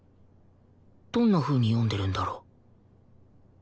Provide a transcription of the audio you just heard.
どんなふうに読んでるんだろう？